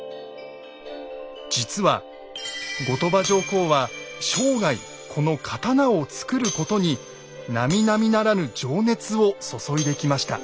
実は後鳥羽上皇は生涯この刀を作ることになみなみならぬ情熱を注いできました。